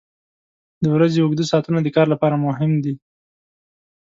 • د ورځې اوږده ساعتونه د کار لپاره مهم دي.